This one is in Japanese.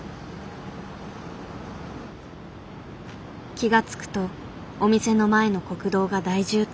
気が付くとお店の前の国道が大渋滞。